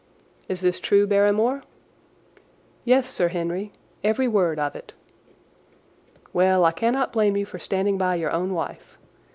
"Is this true, Barrymore?" "Yes, Sir Henry. Every word of it." "Well, I cannot blame you for standing by your own wife.